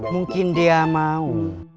mungkin dia mau